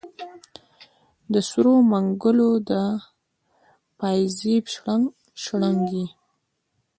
د سرو منګولو د پایزیب شرنګ، شرنګ یې